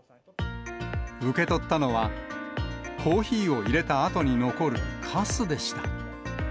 受け取ったのは、コーヒーを入れたあとに残るかすでした。